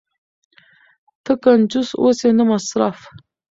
نه کنجوس اوسئ نه مسرف.